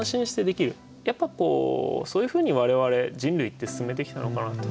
やっぱそういうふうに我々人類って進めてきたのかなと。